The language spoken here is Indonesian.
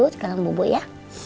sekarang bobo ya